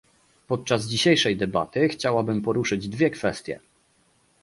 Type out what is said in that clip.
Podczas dzisiejszej debaty chciałabym poruszyć dwie kwestie